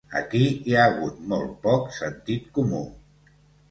Aquí hi ha hagut molt poc sentit comú.